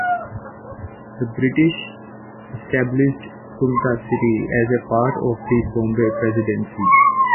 The British established Kumta city as a part of the Bombay Presidency.